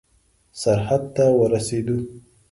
سرحد ته ورسېدو.